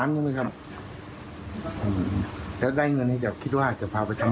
ถูกจริงโหนี่โชครีมากนะสิบใบ